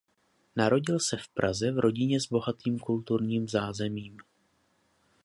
Narodil se v Praze v rodině s bohatým kulturním zázemím.